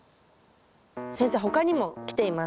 先生他にも来ています。